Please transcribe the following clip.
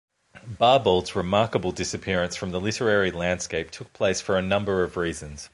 Barbauld's remarkable disappearance from the literary landscape took place for a number of reasons.